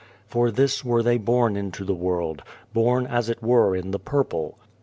For this were they born into the world, born as it were in the purple.